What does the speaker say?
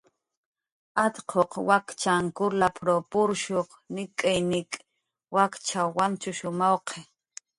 "Atquq wakchan kurralp""r purshuq nik'iy nik' wakchw wantshush mawqi"